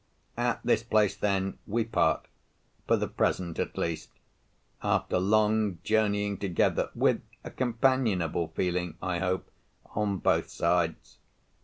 At this place, then, we part—for the present, at least—after long journeying together, with a companionable feeling, I hope, on both sides.